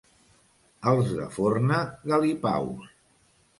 Els de Forna, galipaus.